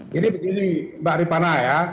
jadi begini mbak ripana ya